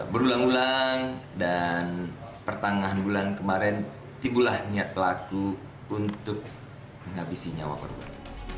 berulang ulang dan pertengahan bulan kemarin timbulah niat pelaku untuk menghabisi nyawa korban